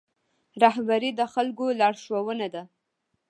رهبري د خلکو لارښوونه ده